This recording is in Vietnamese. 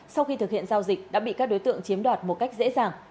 sau khi thực hiện giao dịch đã bị các đối tượng chiếm đoạt một cách dễ dàng